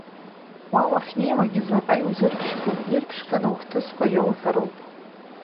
Уа уахьнеиуагьы, заҟа иузырԥшқо ирԥшқаны ухҭысқәа иоуҳәароуп.